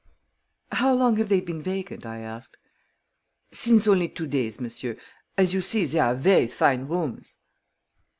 "How long have they been vacant?" I asked. "Since only two days, monsieur; as you see, zey are ver' fine rooms."